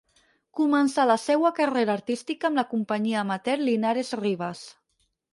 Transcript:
Començà la seua carrera artística amb la companyia amateur Linares Rivas.